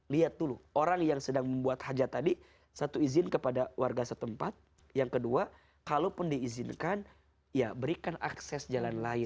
lihat dulu orang yang sedang membuat hajat tadi satu izin kepada warga setempat yang kedua kalaupun diizinkan ya berikan akses jalan lain